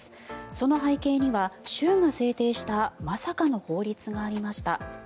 その背景には州が制定したまさかの法律がありました。